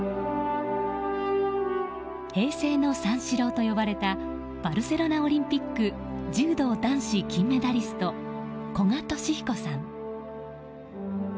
平成の三四郎と呼ばれたバルセロナオリンピック柔道男子金メダリスト古賀稔彦さん。